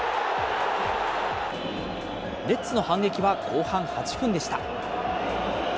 レッズの反撃は後半８分でした。